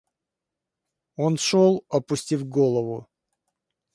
Он шел, опустив голову.